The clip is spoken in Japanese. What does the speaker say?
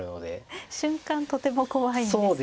瞬間とても怖いんですが。